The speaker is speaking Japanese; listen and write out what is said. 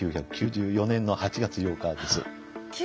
１９９４年の８月８日です。